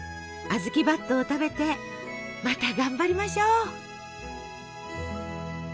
あずきばっとを食べてまたがんばりましょう！